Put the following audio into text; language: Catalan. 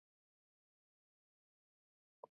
El nom és Uma: u, ema, a.